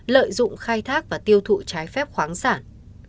lợi dụng khai thác và tiêu thụ trái phép khoáng sản